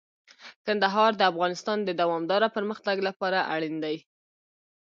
کندهار د افغانستان د دوامداره پرمختګ لپاره اړین دي.